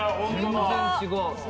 全然違う。